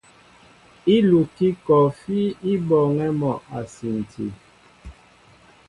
Ílukí kɔɔfí i bɔɔŋɛ́ mɔ a sinti.